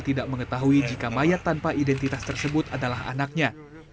tidak mengetahui jika mayat tanpa identitas tersebut adalah anaknya